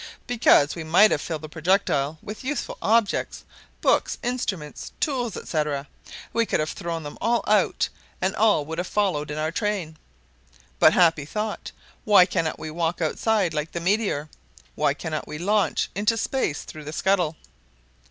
"Because we might have filled the projectile with useful objects, books, instruments, tools, etc. We could have thrown them all out, and all would have followed in our train. But happy thought! Why cannot we walk outside like the meteor? Why cannot we launch into space through the scuttle?